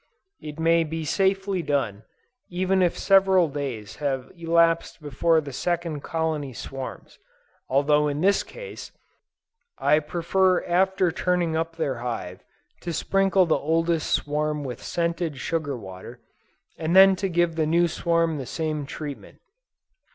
It may be safely done, even if several days have elapsed before the second colony swarms; although in this case, I prefer after turning up their hive to sprinkle the oldest swarm with scented sugar water, and then to give the new swarm the same treatment.